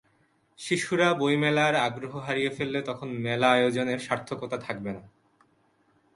শিশুরা বইমেলার আগ্রহ হারিয়ে ফেললে তখন মেলা আয়োজনের সার্থকতা থাকবে না।